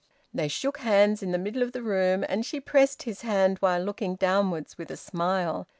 They shook hands in the middle of the room, and she pressed his hand, while looking downwards with a smile.